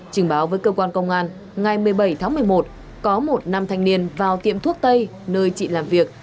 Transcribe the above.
trình báo với cơ quan công an ngày một mươi bảy tháng một mươi một có một nam thanh niên vào tiệm thuốc tây nơi chị làm việc